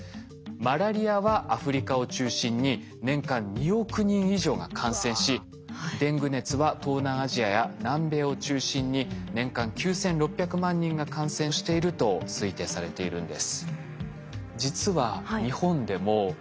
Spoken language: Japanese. マラリアはアフリカを中心に年間２億人以上が感染しデング熱は東南アジアや南米を中心に年間９，６００万人が感染していると推定されているんです。